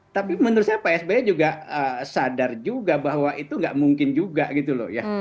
tapi menurut saya pak sby juga sadar juga bahwa itu nggak mungkin juga gitu loh ya